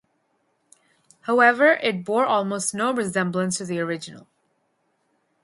However, it bore almost no resemblance to the original.